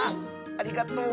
ありがとう！